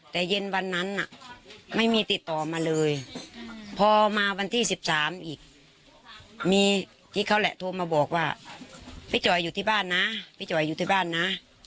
แต่เย็นวันนั้นน่ะไม่มีติดต่อมาเลยพอมาวันที่๑๓อีกมีกิ๊กเขาแหละโทรมาบอกว่าพี่จอยอยู่ที่บ้านนะพี่จอยอยู่ที่บ้านนะ